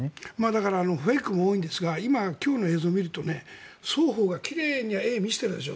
だからフェイクも多いんですが今日の映像を見ると双方が綺麗な絵を見せていたでしょ。